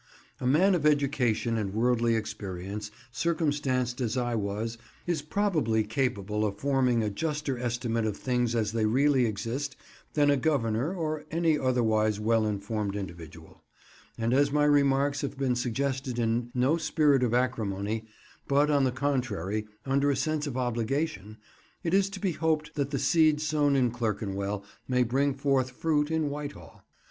A man of education and worldly experience, circumstanced as I was, is probably capable of forming a juster estimate of things as they really exist than a Governor or any otherwise well informed individual: and as my remarks have been suggested in no spirit of acrimony, but, on the contrary, under a sense of obligation, it is to be hoped that the seed sown in Clerkenwell may bring forth fruit in Whitehall.